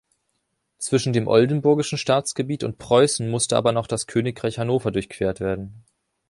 Zwischen dem oldenburgischen Staatsgebiet und Preußen musste aber noch das Königreich Hannover durchquert werden.